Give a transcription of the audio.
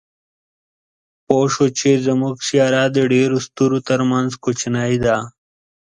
پوه شو چې زموږ سیاره د ډېرو ستورو تر منځ کوچنۍ ده.